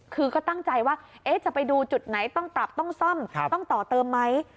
คือก็ตั้งใจว่าจะไปดูจุดไหนต้องปรับต้องซ่อมต้องต่อเติมไหม